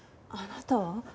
あなたは？